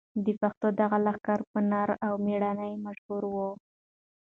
د پښتنو دغه لښکر په نره او مېړانه مشهور و.